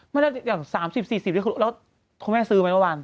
อย่าง๓๐๔๐๔๐ยังคงไม่ให้ซื้อบ้าง